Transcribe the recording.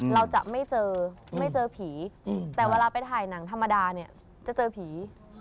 เราจะไม่เจอไม่เจอผีแต่เวลาไปถ่ายหนังธรรมดาเนี่ยจะเจอผี